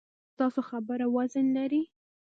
ایا ستاسو خبره وزن لري؟